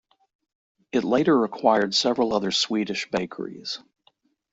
It later acquired several other Swedish bakeries.